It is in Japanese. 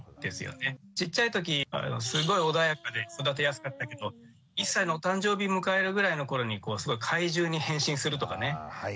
ちっちゃい時すごい穏やかで育てやすかったけど１歳のお誕生日迎えるぐらいの頃にすごい怪獣に変身するとかね。